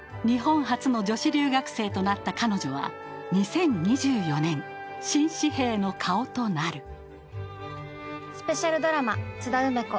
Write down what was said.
日本初の女子留学生となった彼女は２０２４年新紙幣の顔となる